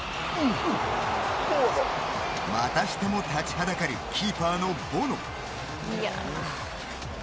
またしても立ちはだかるキーパーのボノ。